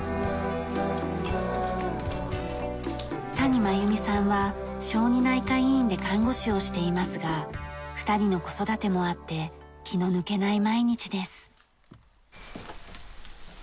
谷真弓さんは小児内科医院で看護師をしていますが２人の子育てもあって気の抜けない毎日です。